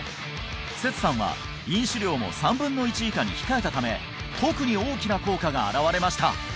摂さんは飲酒量も３分の１以下に控えたため特に大きな効果が現れました